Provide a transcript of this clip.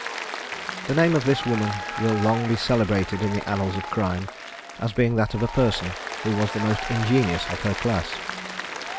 The name of this woman will long be celebrated in the annals of crime, as being that of a person who was the most ingenious of her class.